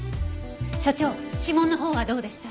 所長指紋のほうはどうでした？